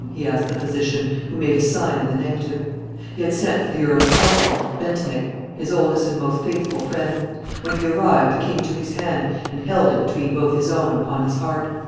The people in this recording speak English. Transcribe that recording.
he asked the physician, who made a sign in the negative. He had sent for the Earl of Portland, Bentinek, his oldest and most faithful friend; when he arrived, the king took his hand and held it between both his own, upon his heart.